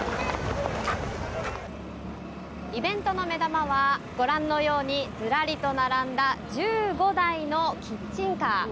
イベントの目玉はご覧のようにずらりと並んだ１５台のキッチンカー。